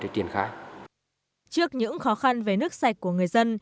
trước những khó khăn về nước sạch của người dân